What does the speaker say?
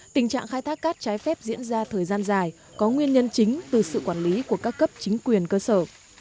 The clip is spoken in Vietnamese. tình trạng khai thác cát trái phép diễn ra thời gian dài có nguyên nhân chính từ sự quản lý của các cấp chính quyền cơ sở